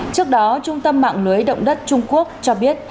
trước đó trung tâm mạng lưới động đất trung quốc cho biết